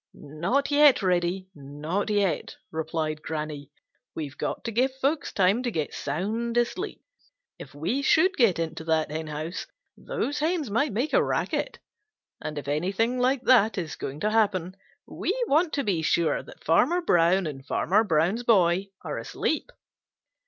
"Not yet, Reddy. Not yet," replied Granny. "We've got to give folks time to get sound asleep. If we should get into that henhouse, those hens might make a racket, and if anything like that is going to happen, we want to be sure that Farmer Brown and Farmer Brown's boy are asleep."